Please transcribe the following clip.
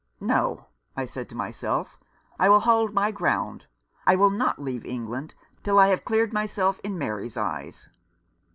No, I said to myself, I will hold my ground. I will not leave England till I have cleared myself in Mary's eyes.